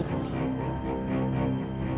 untuk membebaskanku dari sini